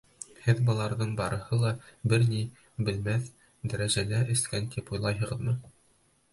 Һеҙ быларҙың барыһы ла бер ни белмәҫ дәрәжәлә эскән тип уйлайһығыҙмы?